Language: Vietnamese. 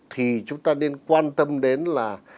thì chúng ta nên quan tâm đến là